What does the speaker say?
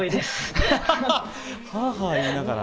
ハァハァ言いながら。